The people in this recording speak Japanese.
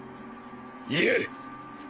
言え！